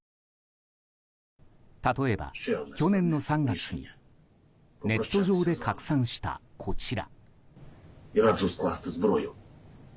例えば、去年の３月にネット上で拡散した、こちら。